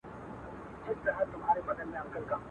o ملا چي څه وايي هغه کوه، چي څه کوي هغه مه کوه.